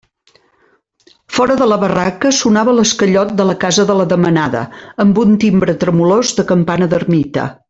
Fora de la barraca sonava l'esquellot de la casa de la Demanada, amb un timbre tremolós de campana d'ermita.